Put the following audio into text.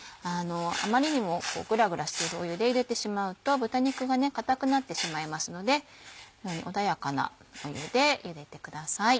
あまりにもグラグラしている湯でゆでてしまうと豚肉が硬くなってしまいますので穏やかな湯でゆでてください。